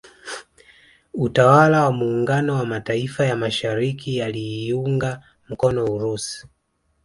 Utawala wa muungano wa Mataifa ya mashariki yaliiunga mkono Urusi